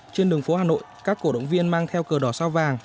trên đường phố hà nội các cổ động viên mang theo cờ đỏ sao vàng